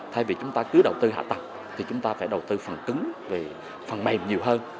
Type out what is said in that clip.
thay vì chúng ta cứ đầu tư hạ tầng thì chúng ta phải đầu tư phần cứng về phần mềm nhiều hơn